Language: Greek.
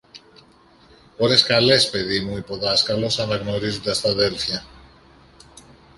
Ώρες καλές, παιδί μου, είπε ο δάσκαλος αναγνωρίζοντας τ' αδέλφια.